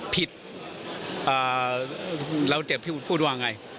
พิธีเราจะพูดว่าอย่างไร